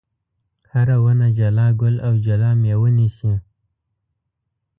هره ونه جلا ګل او جلا مېوه نیسي.